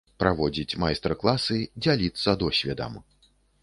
Праводзіць майстар-класы, дзяліцца досведам.